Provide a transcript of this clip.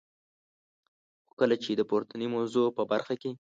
خو کله چي د پورتنی موضوع په برخه کي.